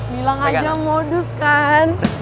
bilang aja modus kan